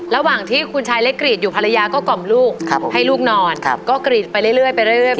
ระหว่างที่คุณชายเล็กกรีดอยู่ภรรยาก็กล่อมลูกให้ลูกนอนก็กรีดไปเรื่อยไปเรื่อย